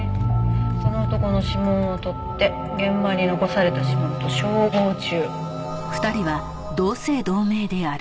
その男の指紋を採って現場に残された指紋と照合中。